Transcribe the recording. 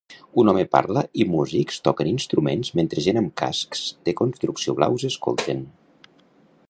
Un home parla i músics toquen instruments mentre gent amb cascs de construcció blaus escolten.